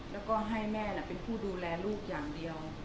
แล้วก็ให้แม่เป็นผู้ดูแลลูกอย่างเดียว